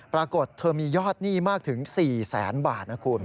ปรากฏเธอมียอดหนี้มากถึง๔แสนบาทนะคุณ